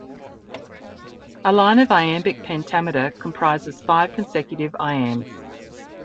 A line of iambic pentameter comprises five consecutive iambs.